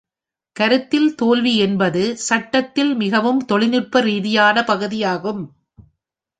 கருத்தில் தோல்வி என்பது சட்டத்தின் மிகவும் தொழில்நுட்ப ரீதியான பகுதியாகும்.